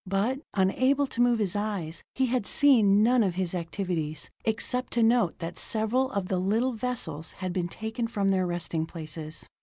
But, unable to move his eyes, he had seen none of his activities, except to note that several of the little vessels had been taken from their resting places.